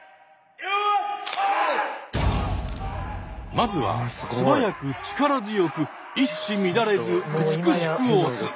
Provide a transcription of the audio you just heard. まずは素早く力強く一糸乱れず美しく推す。